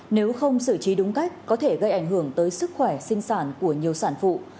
nếu không xử trí đúng cách có thể gây ảnh hưởng tới sức khỏe sinh sản của nhiều sản phụ